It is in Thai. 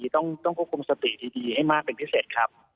ต้องควบคุมสติดีให้มากเป็นพิเศษครับ